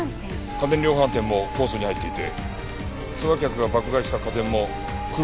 家電量販店もコースに入っていてツアー客が爆買いした家電もクルーズ船に積まれたらしい。